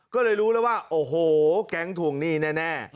ก็เลยรู้แล้วว่าโอ้โหแก๊งทวงหนี้แน่